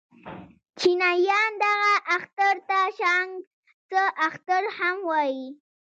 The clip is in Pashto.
چينایان دغه اختر ته شانګ سه اختر هم وايي.